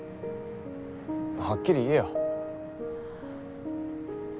はっきり言えよ。